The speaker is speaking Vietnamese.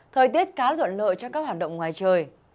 thời tiết cá luận lợi cho các hoạt động ngoài trời